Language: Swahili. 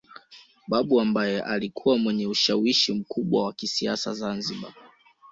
Babu ambaye alikuwa mwenye ushawishi mkubwa wa kisiasa Zanzibar